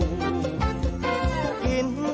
อิ่นมีอิ่มบางมือมีอดบางมือก็ยังยิ้มสูง